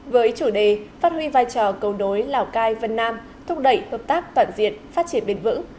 với chủ đề phát huy vai trò cầu đối lào cai vân nam thúc đẩy hợp tác toàn diện phát triển bền vững